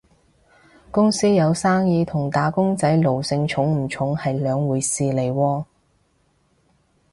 公司有生意同打工仔奴性重唔重係兩回事嚟喎